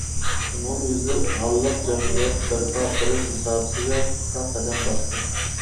ئومۇميۈزلۈك ھاللىق جەمئىيەت بەرپا قىلىش مۇساپىسىدە پۇختا قەدەم باسقان.